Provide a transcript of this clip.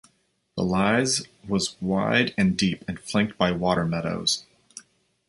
The Lys was wide and deep and flanked by water meadows.